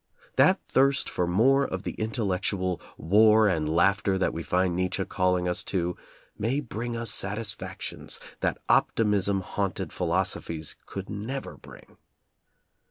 That thirst for more of the intellectual "war and laughter" that we find Nietzsche calling us to may bring us satisfactions that optimism haunted philosophies could never bring.